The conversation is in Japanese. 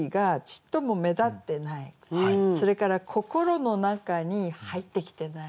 それから心の中に入ってきてない。